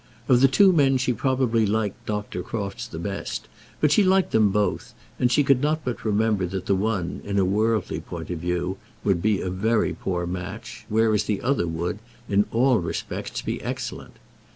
Of the two men she probably liked Dr. Crofts the best; but she liked them both, and she could not but remember that the one, in a worldly point of view, would be a very poor match, whereas the other would, in all respects, be excellent.